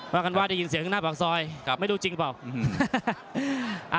ว่ากันว่าได้ยินเสียงข้างหน้าปากซอยกลับไม่รู้จริงเปล่า